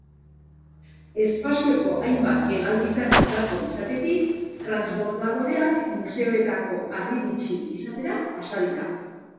Espazioko hainbat hegalditan gako izatetik, transbordadoreak museoetako harribitxi izatera pasa dira.